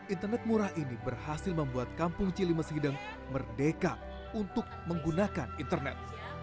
internet murah ini berhasil membuat kampung cilimes hideng merdeka untuk menggunakan internet